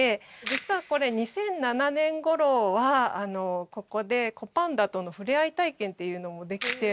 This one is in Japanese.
実はこれ２００７年頃はここで子パンダとの触れ合い体験っていうのもできて。